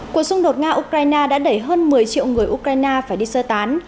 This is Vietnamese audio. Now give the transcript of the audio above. cuộc xung đột nga ukraine đã đẩy hơn một mươi triệu người ukraine phải đi sơ tán